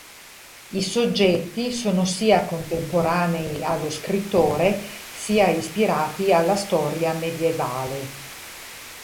I soggetti sono sia contemporanei allo scrittore, sia ispirati alla storia medievale.